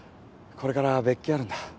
これから別件あるんだ。